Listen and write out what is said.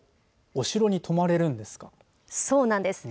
お城に泊まれるんですか。